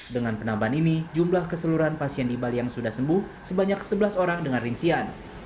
dengan penambahan ini jumlah keseluruhan pasien di bali yang sudah sembuh sebanyak sebelas orang dengan rincian